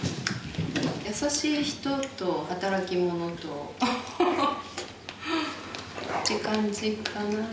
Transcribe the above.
優しい人と働き者とフフフ！って感じかな。